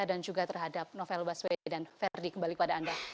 dan juga terhadap novel baswedan verdi kembali kepada anda